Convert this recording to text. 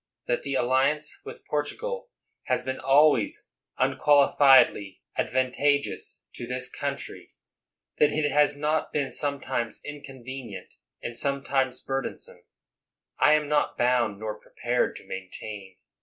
That the alliance with Portugal has been al ways unqualifiedly advantageous to tkis country — that it has not been sometimes inconvenient and sometimes burdensome — I am not bound nor prepared to maintain.